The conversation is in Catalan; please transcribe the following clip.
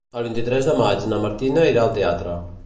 El vint-i-tres de maig na Martina irà al teatre.